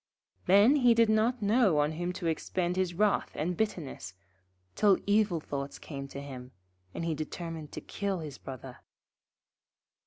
Then he did not know on whom to expend his wrath and bitterness, till evil thoughts came to him, and he determined to kill his Brother.